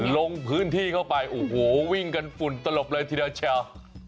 ลงพื้นที่เข้าไปโอ้โหวิ่งกันฝุ่นตลบเลยทีเดียวเชียว